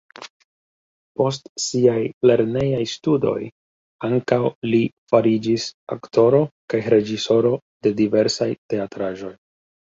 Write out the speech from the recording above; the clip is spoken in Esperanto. Post siaj lernejaj studoj ankaŭ li fariĝis aktoro kaj reĝisoro de diversaj teatraĵoj.